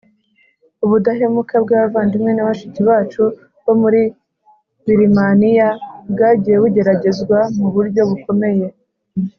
ubudahemuka bw abavandimwe na bashiki bacu bo muri Birimaniya bwagiye bugeragezwa mu buryo bukomeye